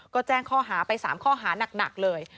ก็แจ้งข้อหาไป๓ข้อหานักเลย